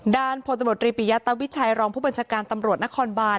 ด่านโพธมบุรุธริปิยะตวิชัยรองผู้บรรชการตำรวจนครบาร